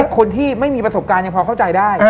คนที่ไม่มีประสบการณ์ยังพอเข้าใจได้